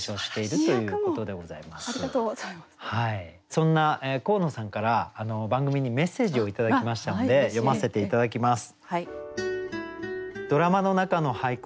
そんな神野さんから番組にメッセージを頂きましたので読ませて頂きます。